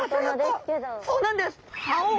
そうなんです。